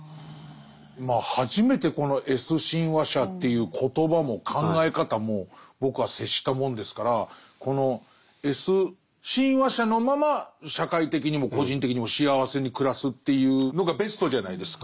まあ初めてこのＳ親和者っていう言葉も考え方も僕は接したもんですからこのＳ親和者のまま社会的にも個人的にも幸せに暮らすというのがベストじゃないですか。